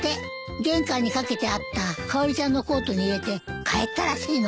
玄関に掛けてあったかおりちゃんのコートに入れて帰ったらしいの。